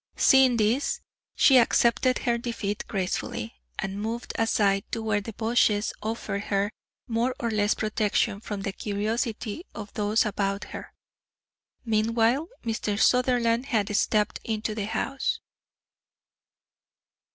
Seeing this, she accepted her defeat gracefully, and moved aside to where the bushes offered her more or less protection from the curiosity of those about her. Meanwhile Mr. Sutherland had stepped into the house.